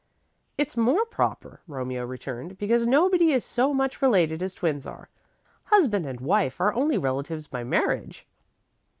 "It's more proper," Romeo returned, "because nobody is so much related as twins are. Husband and wife are only relatives by marriage."